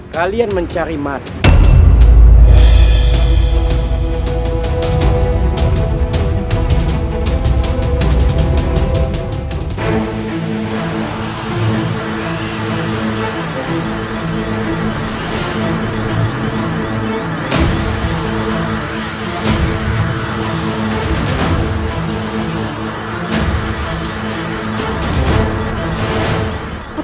kalian mencari mati